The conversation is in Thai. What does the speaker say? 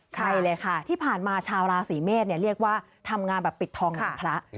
ใช่เลยค่ะที่ผ่านมาชาวราศีเมษเรียกว่าทำงานแบบปิดทองเป็นพระ